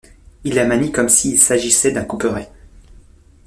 Ils la manient comme s'il s'agissait d'un couperet.